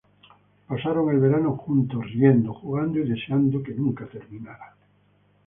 Pasaron el verano juntos, riendo, jugando y deseando que nunca terminara.